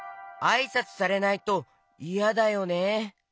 あいさつされないといやだよね。